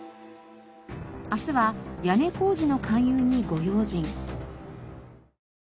明日は屋根工事の勧誘にご用心。